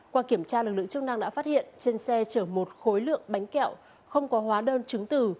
qua kiểm tra lực lượng chức năng đã phát hiện trên xe chở một khối lượng bánh kẹo không có hóa đơn chứng từ